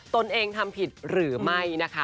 ตนเองทำผิดหรือไม่นะคะ